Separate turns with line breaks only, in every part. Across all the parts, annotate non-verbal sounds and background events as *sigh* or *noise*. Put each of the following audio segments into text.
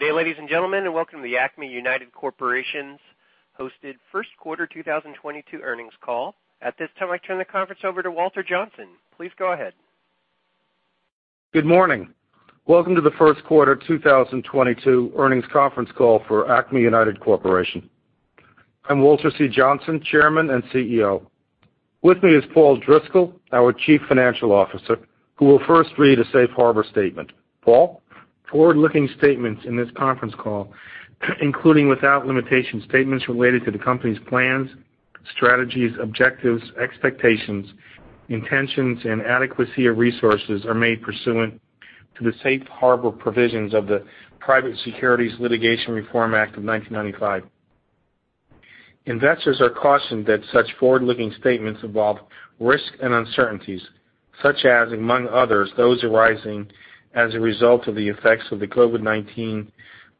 Good day, ladies and gentlemen, and welcome to the Acme United Corporation hosted First Quarter 2022 Earnings Call. At this time, I turn the conference over to Walter Johnsen. Please go ahead.
Good morning. Welcome to the First Quarter 2022 Earnings Conference Call for Acme United Corporation. I'm Walter C. Johnsen, Chairman and CEO. With me is Paul Driscoll, our Chief Financial Officer, who will first read a safe harbor statement. Paul?
Forward-looking statements in this conference call, including without limitation statements related to the company's plans, strategies, objectives, expectations, intentions, and adequacy of resources are made pursuant to the safe harbor provisions of the Private Securities Litigation Reform Act of 1995. Investors are cautioned that such forward-looking statements involve risks and uncertainties such as, among others, those arising as a result of the effects of the COVID-19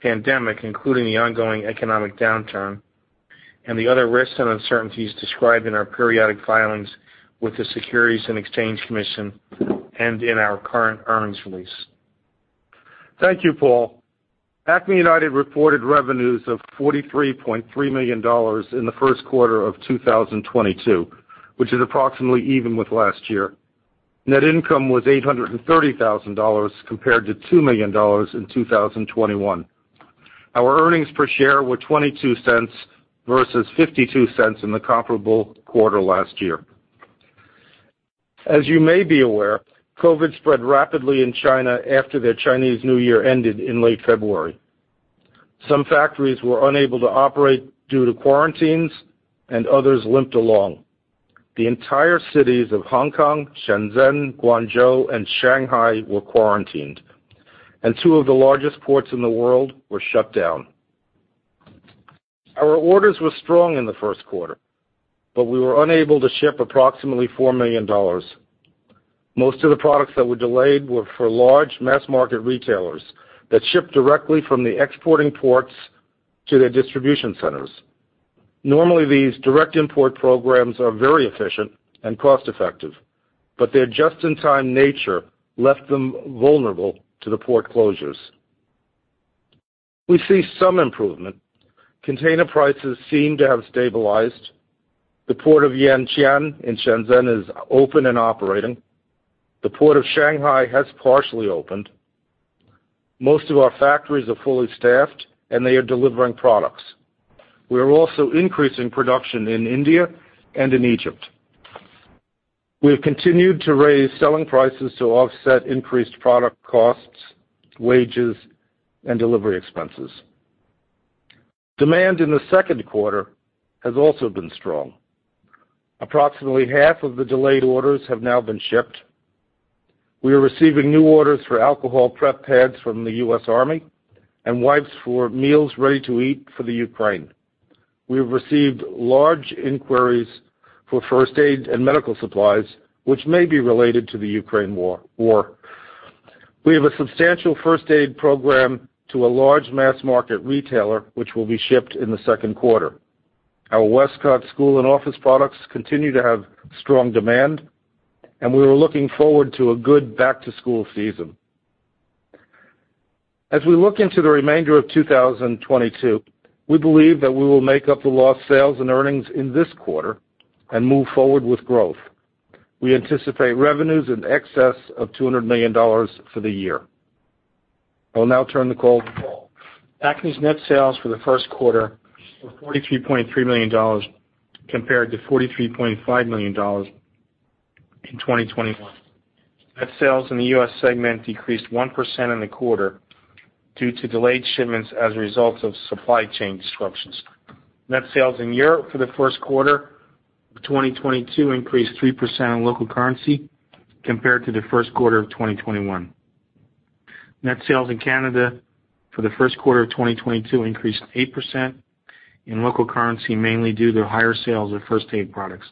pandemic, including the ongoing economic downturn, and the other risks and uncertainties described in our periodic filings with the Securities and Exchange Commission and in our current earnings release.
Thank you, Paul. Acme United reported revenues of $43.3 million in the first quarter of 2022, which is approximately even with last year. Net income was $830,000 compared to $2 million in 2021. Our earnings per share were $0.22 versus $0.52 in the comparable quarter last year. As you may be aware, COVID spread rapidly in China after their Chinese New Year ended in late February. Some factories were unable to operate due to quarantines, and others limped along. The entire cities of Hong Kong, Shenzhen, Guangzhou, and Shanghai were quarantined, and two of the largest ports in the world were shut down. Our orders were strong in the first quarter, but we were unable to ship approximately $4 million. Most of the products that were delayed were for large mass-market retailers that ship directly from the exporting ports to their distribution centers. Normally, these direct import programs are very efficient and cost-effective, but their just-in-time nature left them vulnerable to the port closures. We see some improvement. Container prices seem to have stabilized. The port of Yantian in Shenzhen is open and operating. The port of Shanghai has partially opened. Most of our factories are fully staffed, and they are delivering products. We are also increasing production in India and in Egypt. We have continued to raise selling prices to offset increased product costs, wages, and delivery expenses. Demand in the second quarter has also been strong. Approximately half of the delayed orders have now been shipped. We are receiving new orders for alcohol prep pads from the US Army and wipes for meals ready to eat for the Ukraine. We have received large inquiries for first aid and medical supplies, which may be related to the Ukraine war. We have a substantial first aid program to a large mass-market retailer, which will be shipped in the second quarter. Our Westcott school and office products continue to have strong demand, and we are looking forward to a good back-to-school season. As we look into the remainder of 2022, we believe that we will make up the lost sales and earnings in this quarter and move forward with growth. We anticipate revenues in excess of $200 million for the year. I'll now turn the call to Paul.
Acme United's net sales for the first quarter were $43.3 million compared to $43.5 million in 2021. Net sales in the US segment decreased 1% in the quarter due to delayed shipments as a result of supply chain disruptions. Net sales in Europe for the first quarter of 2022 increased 3% in local currency compared to the first quarter of 2021. Net sales in Canada for the first quarter of 2022 increased 8% in local currency, mainly due to higher sales of first aid products.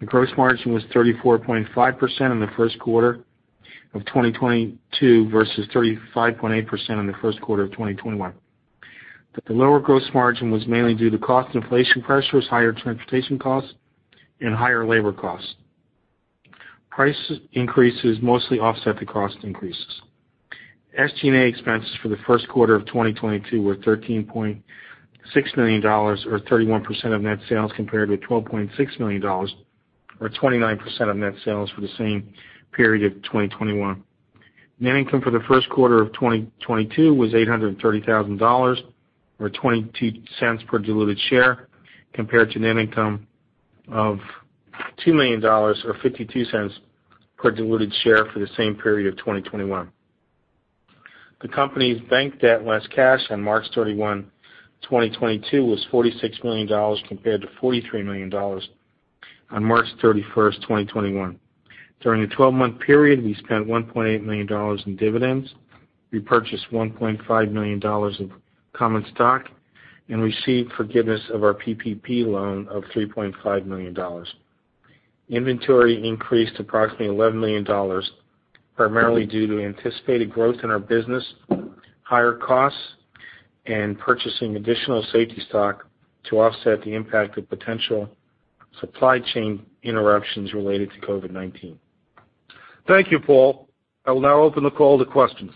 The gross margin was 34.5% in the first quarter of 2022 versus 35.8% in the first quarter of 2021. The lower gross margin was mainly due to cost inflation pressures, higher transportation costs, and higher labor costs. Price increases mostly offset the cost increases. SG&A expenses for the first quarter of 2022 were $13.6 million, or 31% of net sales, compared with $12.6 million, or 29% of net sales for the same period of 2021. Net income for the first quarter of 2022 was $830,000, or $0.22 per diluted share, compared to net income of $2 million or $0.52 per diluted share for the same period of 2021. The company's bank debt less cash on 31 March 2022 was $46 million compared to $43 million on 31 March 2021. During the 12-month period, we spent $1.8 million on dividends, repurchased $1.5 million of common stock, and received forgiveness of our PPP loan of $3.5 million. Inventory increased approximately $11 million, primarily due to anticipated growth in our business, higher costs and purchasing additional safety stock to offset the impact of potential supply chain interruptions related to COVID-19.
Thank you, Paul. I will now open the call to questions.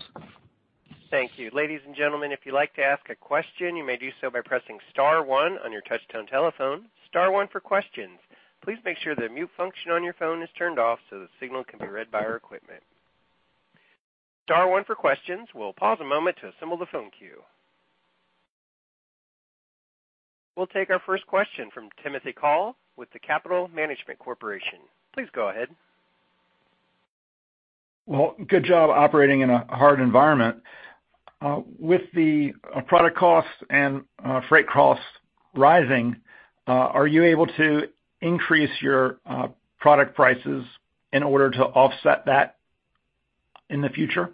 Thank you. Ladies and gentlemen, if you'd like to ask a question, you may do so by pressing star one on your touchtone telephone. Star one for questions. Please make sure the mute function on your phone is turned off so the signal can be read by our equipment. Star one for questions. We'll pause a moment to assemble the phone queue. We'll take our first question from Timothy Call with The Capital Management Corporation. Please go ahead.
Well, good job operating in a hard environment. With the product costs and freight costs rising, are you able to increase your product prices in order to offset that in the future?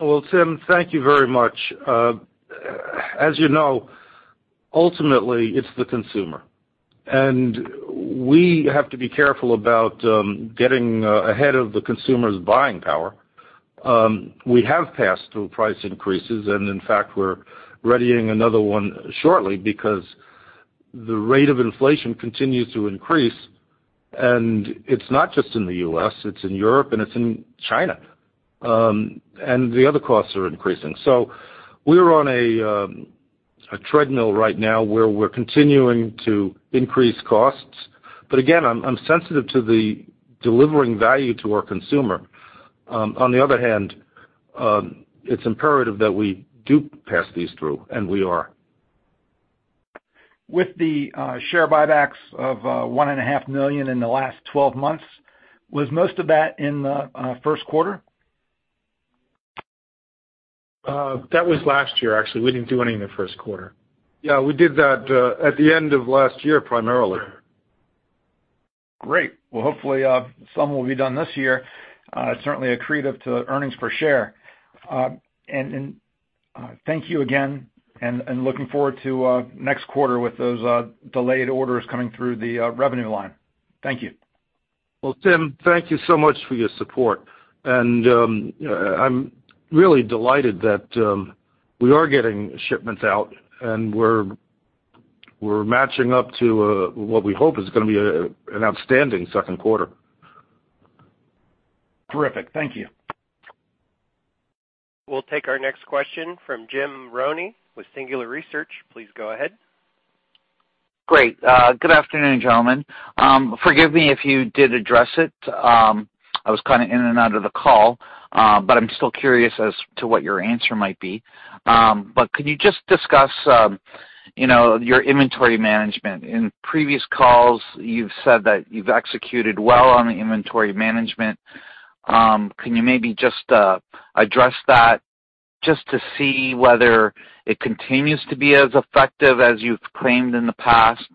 Well, Tim, thank you very much. As you know, ultimately, it's the consumer. We have to be careful about getting ahead of the consumer's buying power. We have passed through price increases, and in fact, we're readying another one shortly because the rate of inflation continues to increase, and it's not just in the US, it's in Europe and it's in China. The other costs are increasing. We're on a treadmill right now where we're continuing to increase costs. Again, I'm sensitive to delivering value to our consumer. On the other hand, it's imperative that we do pass these through, and we are.
With the share buybacks of 1.5 million in the last 12 months, was most of that in the first quarter?
That was last year, actually. We didn't do any in the first quarter.
Yeah, we did that at the end of last year, primarily.
Great. Well, hopefully some will be done this year. Certainly, accretive to earnings per share. Thank you again and looking forward to next quarter with those delayed orders coming through the revenue line. Thank you.
Well, Tim, thank you so much for your support. I'm really delighted that we are getting shipments out, and we're matching up to what we hope is gonna be an outstanding second quarter.
Terrific. Thank you.
We'll take our next question from Jim Marrone with Singular Research. Please go ahead.
Great. Good afternoon, gentlemen. Forgive me if you did address it. I was kind of in and out of the call, but I'm still curious as to what your answer might be. Could you just discuss, you know, your inventory management? In previous calls, you've said that you've executed well on the inventory management. Can you maybe just address that just to see whether it continues to be as effective as you've claimed in the past,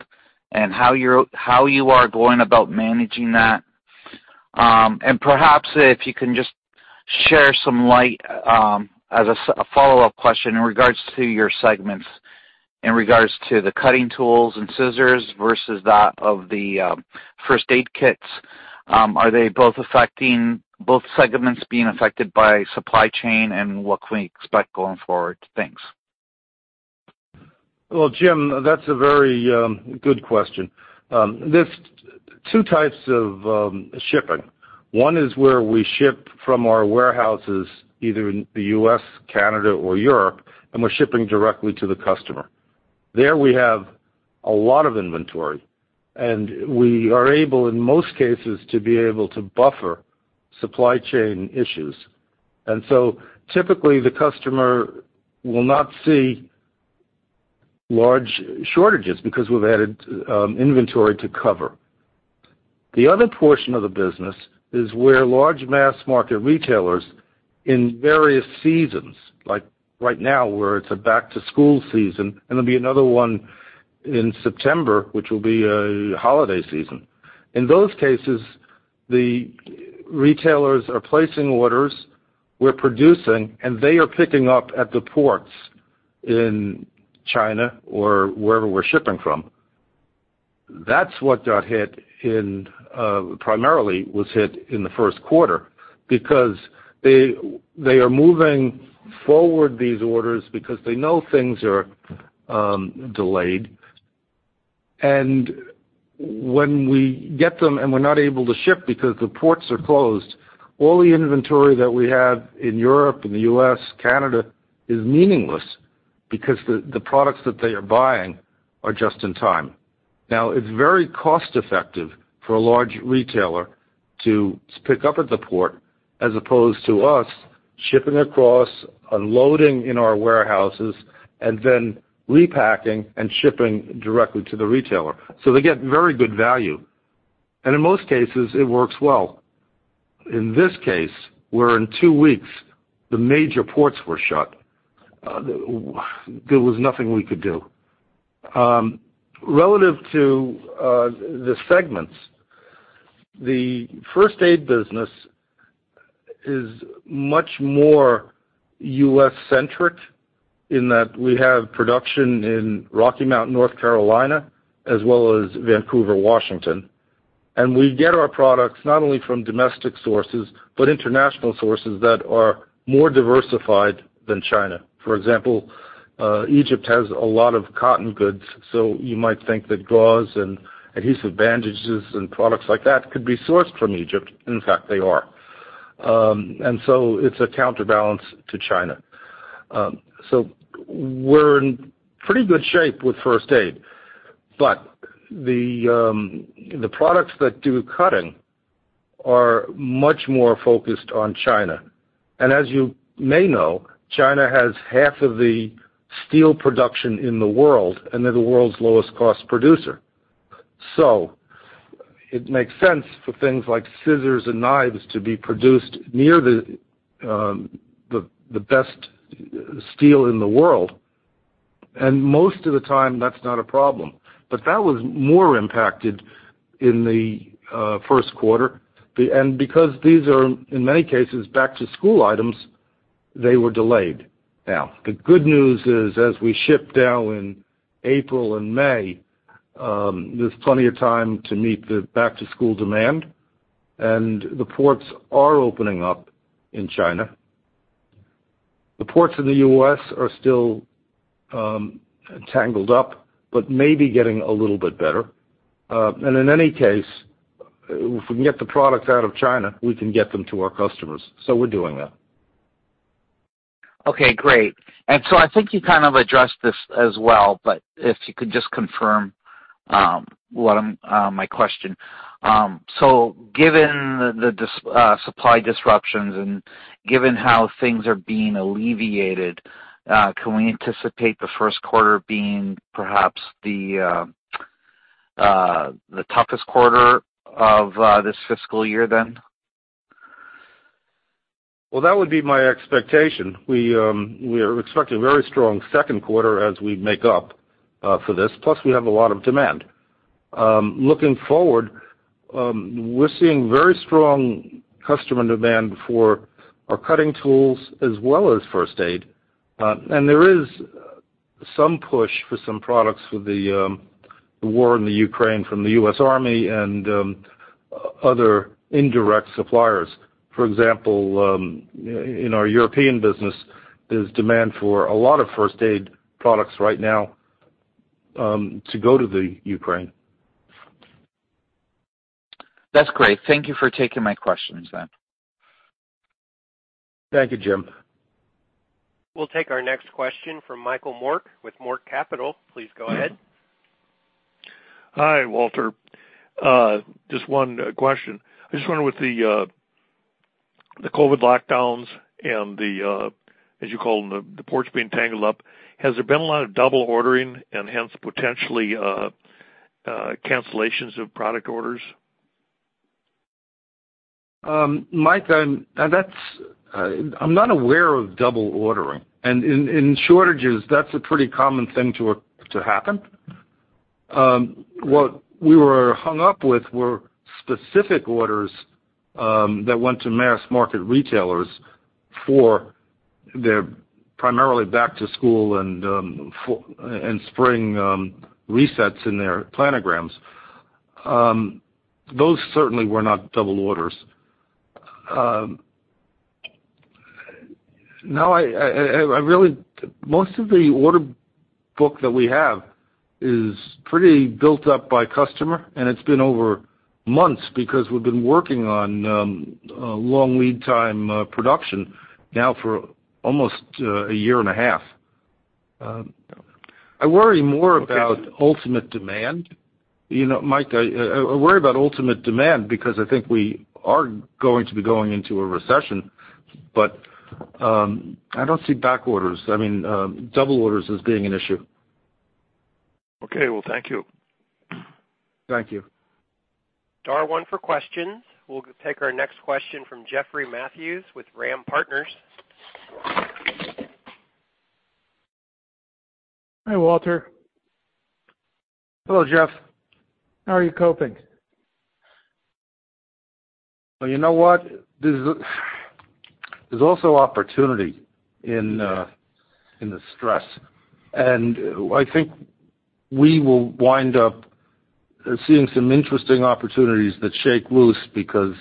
and how you are going about managing that? Perhaps if you can just shed some light as a follow-up question in regard to your segments, in regard to the cutting tools and scissors versus that of the first aid kits. Are both segments being affected by supply chain, and what can we expect going forward? Thanks.
Well, Jim, that's a very good question. There's two types of shipping. One is where we ship from our warehouses, either in the US, Canada, or Europe, and we're shipping directly to the customer. There we have a lot of inventory, and we are able, in most cases, to be able to buffer supply chain issues. Typically, the customer will not see large shortages because we've added inventory to cover. The other portion of the business is where large mass market retailers in various seasons, like right now, where it's a back-to-school season, and there'll be another one in September, which will be a holiday season. In those cases, the retailers are placing orders, we're producing, and they are picking up at the ports in China or wherever we're shipping from. That's what got hit in, primarily was hit in the first quarter because they are moving forward these orders because they know things are delayed. When we get them and we're not able to ship because the ports are closed, all the inventory that we have in Europe, in the US, Canada, is meaningless because the products that they are buying are just in time. Now, it's very cost-effective for a large retailer to pick up at the port as opposed to us shipping across, unloading in our warehouses, and then repacking and shipping directly to the retailer. So, they get very good value. In most cases, it works well. In this case, where in two weeks the major ports were shut, there was nothing we could do. Relative to the segments, the first aid business is much more US-centric in that we have production in Rocky Mount, North Carolina, as well as Vancouver, Washington. We get our products not only from domestic sources, but international sources that are more diversified than China. For example, Egypt has a lot of cotton goods, so you might think that gauze and adhesive bandages and products like that could be sourced from Egypt. In fact, they are. So, it's a counterbalance to China. We're in pretty good shape with first aid, but the products that do cutting are much more focused on China. As you may know, China has half of the steel production in the world, and they're the world's lowest cost producer. It makes sense for things like scissors and knives to be produced near the best steel in the world. Most of the time, that's not a problem. That was more impacted in the first quarter. Because these are, in many cases, back-to-school items, they were delayed. Now, the good news is, as we ship now in April and May, there's plenty of time to meet the back-to-school demand, and the ports are opening up in China. The ports in the US are still tangled up but maybe getting a little bit better. In any case, if we can get the products out of China, we can get them to our customers, so we're doing that.
Okay, great. I think you kind of addressed this as well, but if you could just confirm my question. Given the supply disruptions and given how things are being alleviated, can we anticipate the first quarter being perhaps the toughest quarter of this fiscal year then?
Well, that would be my expectation. We are expecting a very strong second quarter as we make up for this, plus we have a lot of demand. Looking forward, we're seeing very strong customer demand for our cutting tools as well as first aid. There is some push for some products with the war in the Ukraine from the US Army and other indirect suppliers. For example, in our European business, there's demand for a lot of first aid products right now to go to the Ukraine.
That's great. Thank you for taking my questions then.
Thank you, Jim.
We'll take our next question from Michael Mork with Mork Capital. Please go ahead.
Hi, Walter. Just one question. I just wonder with the COVID lockdowns and the, as you call them, the ports being tangled up, has there been a lot of double ordering and hence potentially, cancellations of product orders?
Mike, I'm not aware of double ordering. In shortages, that's a pretty common thing to happen. What we were hung up with were specific orders that went to mass market retailers for their primarily back to school and spring resets in their planograms. Those certainly were not double orders. No. Most of the order book that we have is pretty built up by customer, and it's been over months because we've been working on long lead time production now for almost a year and a half. I worry more about ultimate demand. You know, Mike, I worry about ultimate demand because I think we are going to be going into a recession. I don't see back orders, I mean, double orders as being an issue.
Okay. Well, thank you.
Thank you.
We'll take our next question from Jeffrey Matthews with Ram Partners.
Hi, Walter.
Hello, Jeff.
How are you coping?
Well, you know what? There's also opportunity in the stress. I think we will wind up seeing some interesting opportunities that shake loose because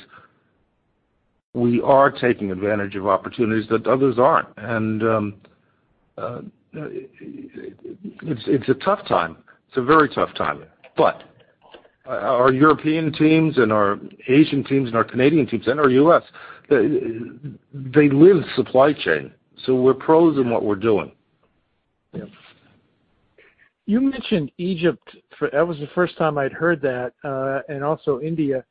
we are taking advantage of opportunities that others aren't. It's a tough time. It's a very tough time. Our European teams and our Asian teams and our Canadian teams and our US teams, they live the supply chain, so we're pros in what we're doing.
Yeah. You mentioned Egypt. That was the first time I'd heard that, and also India.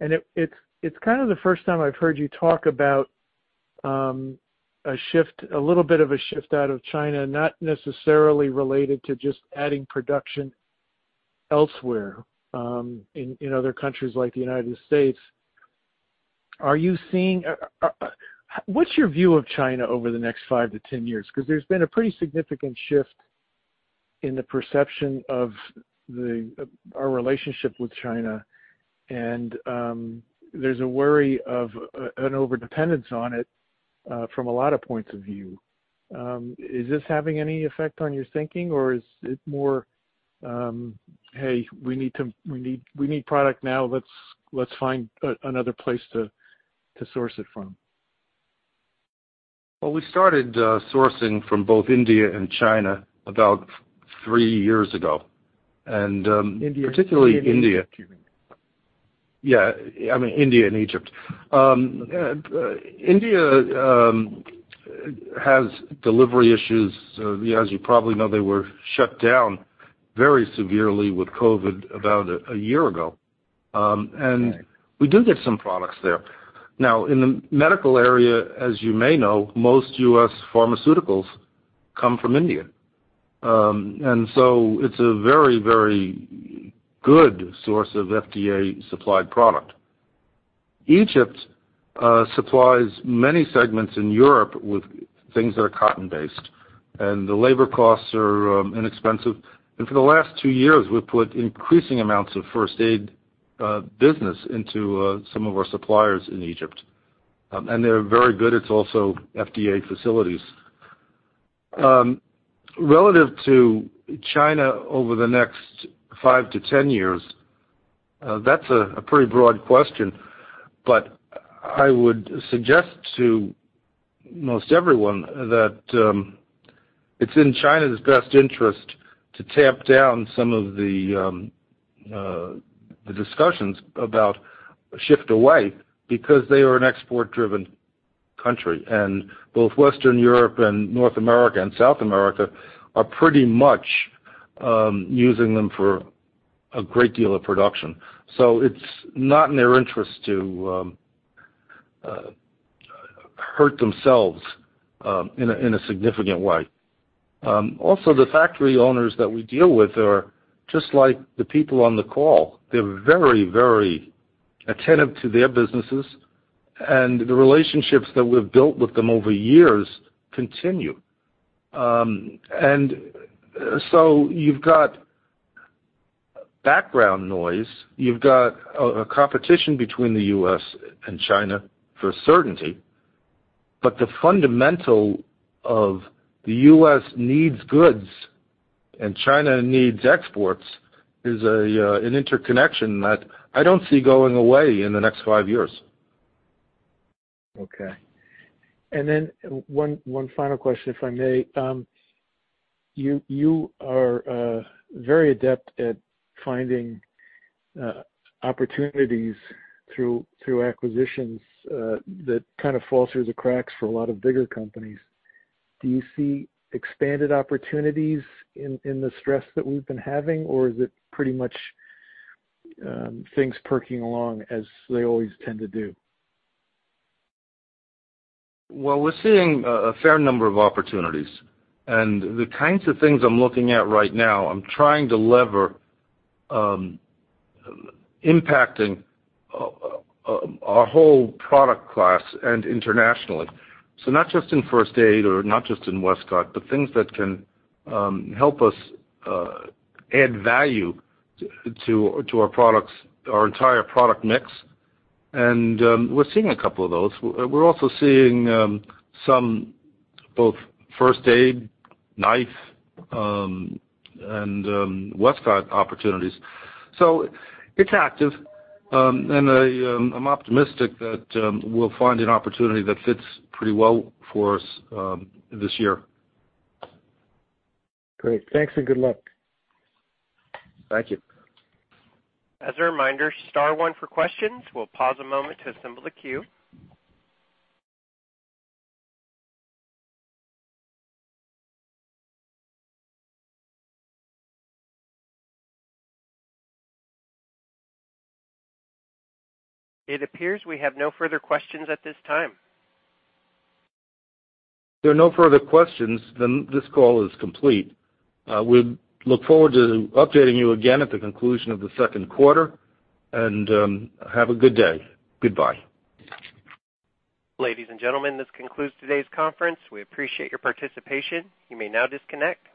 It's kind of the first time I've heard you talk about a shift, a little bit of a shift out of China, not necessarily related to just adding production elsewhere, in other countries like the United States. What's your view of China over the next five to 10 years? Because there's been a pretty significant shift in the perception of our relationship with China. There's a worry of an overdependence on it from a lot of points of view. Is this having any effect on your thinking or is it more, hey, we need product now, let's find another place to source it from?
Well, we started sourcing from both India and China about three years ago... *crosstalk*
India and Egypt.
Particularly India. Yeah. I mean, India and Egypt. India has delivery issues. As you probably know, they were shut down very severely with COVID about a year ago. We do get some products there. Now, in the medical area, as you may know, most US pharmaceuticals come from India. It's a very, very good source of FDA supplied product. Egypt supplies many segments in Europe with things that are cotton-based, and the labor costs are inexpensive. For the last two years, we've put increasing amounts of first aid business into some of our suppliers in Egypt. They're very good. It's also FDA facilities. Relative to China over the next five to 10 years, that's a pretty broad question, but I would suggest to most everyone that it's in China's best interest to tamp down some of the discussions about shifting away because they are an export-driven country, and both Western Europe and North America and South America are pretty much using them for a great deal of production. It's not in their interest to hurt themselves in a significant way. Also, the factory owners that we deal with are just like the people on the call. They're very, very attentive to their businesses. The relationships that we've built with them over years continue. You've got background noise. You've got a competition between the US and China for certainty. The fundamental of the US needs goods and China needs exports is an interconnection that I don't see going away in the next five years.
Okay. One final question, if I may. You are very adept at finding opportunities through acquisitions that kind of fall through the cracks for a lot of bigger companies. Do you see expanded opportunities in the stress that we've been having, or is it pretty much things perking along as they always tend to do?
Well, we're seeing a fair number of opportunities. The kinds of things I'm looking at right now, I'm trying to leverage impacting our whole product class and internationally. Not just in first aid or not just in Westcott, but things that can help us add value to our products, our entire product mix. We're seeing a couple of those. We're also seeing some both first aid, knife, and Westcott opportunities. It's active, and I'm optimistic that we'll find an opportunity that fits pretty well for us this year.
Great. Thanks, and good luck.
Thank you.
As a reminder, star one for questions. We'll pause a moment to assemble the queue. It appears we have no further questions at this time.
If there are no further questions, then this call is complete. We look forward to updating you again at the conclusion of the second quarter and have a good day. Goodbye.
Ladies and gentlemen, this concludes today's conference. We appreciate your participation. You may now disconnect.